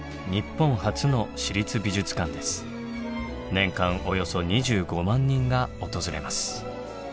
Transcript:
年間およそ２５万人が訪れます。